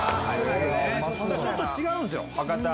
ちょっと違うんすよ博多。